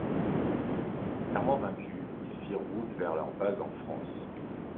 Clairement vaincus, ils firent route vers leur base en France.